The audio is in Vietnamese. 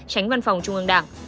tránh văn phòng trung ương đảng